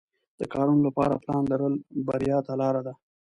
د کارونو لپاره پلان لرل بریا ته لار ده.